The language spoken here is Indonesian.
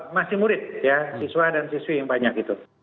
masih murid ya siswa dan siswi yang banyak itu